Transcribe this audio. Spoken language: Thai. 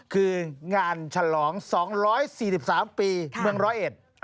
คืองานฉลอง๒๔๓ปีเมืองร้อยเอ็ด